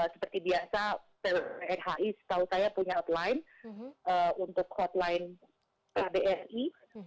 seperti biasa rhi setahu saya punya hotline untuk hotline kbri